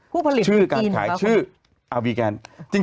ผู้ผลิตจีนหรือเปล่าคุณ